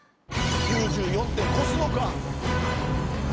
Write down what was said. ９４点超すのか？